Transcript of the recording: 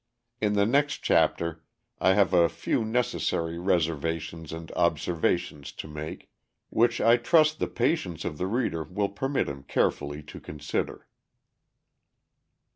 In the next chapter I have a few necessary reservations and observations to make which I trust the patience of the reader will permit him carefully to consider.